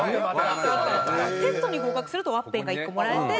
テストに合格するとワッペンが１個もらえて。